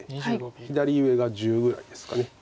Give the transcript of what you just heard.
左上が１０ぐらいですか。